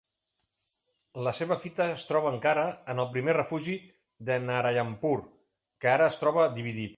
La seva fita es troba encara en el primer refugi de Narayanpur, que ara es troba dividit.